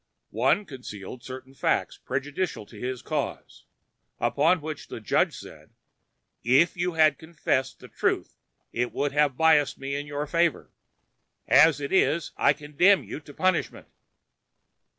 One concealed certain Facts prejudicial to his Cause; upon which the Judge said: "If you had Confessed the Truth it would have Biased me in your Favor; as it is, I Condemn you to Punishment."